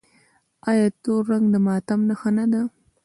آیا تور رنګ د ماتم نښه نه ده؟